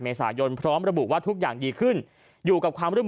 เมษายนพร้อมระบุว่าทุกอย่างดีขึ้นอยู่กับความร่วม